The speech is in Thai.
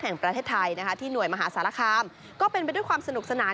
แห่งประเทศไทยนะคะที่หน่วยมหาสารคามก็เป็นไปด้วยความสนุกสนาน